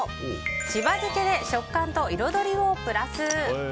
しば漬けで食感と彩りをプラス！